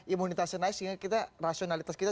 imunitasnya naik sehingga kita rasionalitas kita